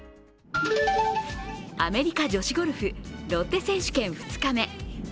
アメリカ女子ゴルフ、ロッテ選手権２日目。